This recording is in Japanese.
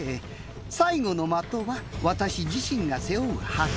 最後の的は私自身が背負う旗。